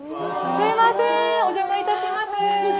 すみません、お邪魔いたします。